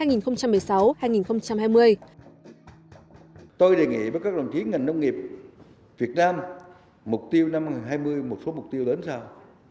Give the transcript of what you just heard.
tôi đề nghị với các đồng chí ngành nông nghiệp việt nam mục tiêu năm hai nghìn hai mươi một số mục tiêu lớn sao